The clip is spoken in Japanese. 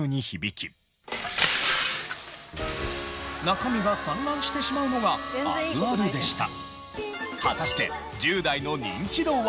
中身が散乱してしまうのがあるあるでした。